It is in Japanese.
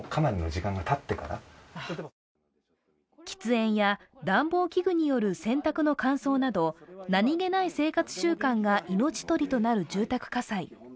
喫煙や暖房器具による洗濯の乾燥など、何気ない生活習慣が命取りとなる住宅火災。